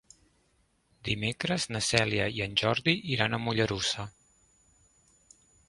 Dimecres na Cèlia i en Jordi iran a Mollerussa.